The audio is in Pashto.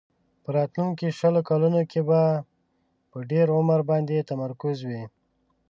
په راتلونکو شلو کلونو کې به په ډېر عمر باندې تمرکز وي.